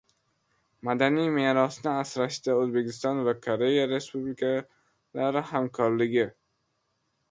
Madaniy merosni asrashda O‘zbekiston va Koreya Respublikalari hamkorligi